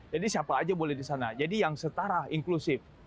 jadi siapa aja boleh di sana jadi yang setara inklusif